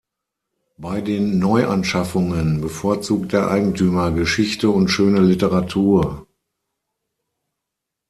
Bei den Neuanschaffungen bevorzugt der Eigentümer Geschichte und schöne Literatur.